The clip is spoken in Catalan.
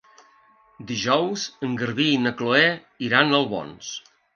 Dijous en Garbí i na Chloé iran a Albons.